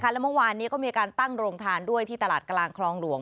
และเมื่อวานนี้ก็มีการตั้งโรงทานด้วยที่ตลาดกลางคลองหลวง